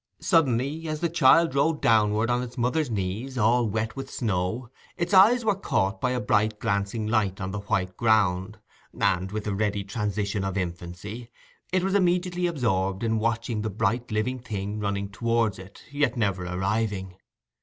Suddenly, as the child rolled downward on its mother's knees, all wet with snow, its eyes were caught by a bright glancing light on the white ground, and, with the ready transition of infancy, it was immediately absorbed in watching the bright living thing running towards it, yet never arriving.